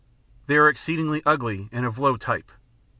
They are exceedingly ugly and of a low type.